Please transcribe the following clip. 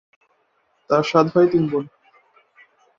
তারা সাত ভাই, তিন বোন।